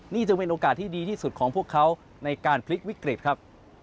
นี่จึงเป็นโอกาสที่ดีที่สุดของพวกเขาในการพลิกวิกฤตครับ